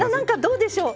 どうでしょう？